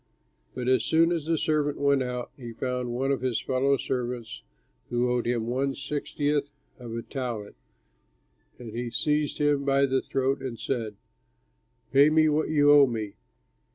"But as soon as the servant went out, he found one of his fellow servants who owed him one sixtieth of a talent, and he seized him by the throat and said, 'Pay me what you owe me.'